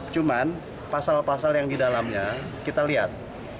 cuman pasal pasal yang di dalamnya kita lihat